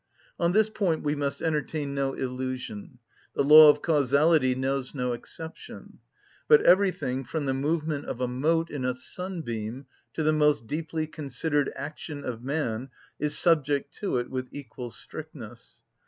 On this point we must entertain no illusion: the law of causality knows no exception; but everything, from the movement of a mote in a sunbeam to the most deeply considered action of man, is subject to it with equal strictness.